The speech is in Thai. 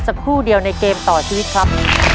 สักครู่เดียวในเกมต่อชีวิตครับ